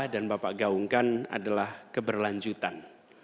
dan bapak gaungkan adalah keberlanjutan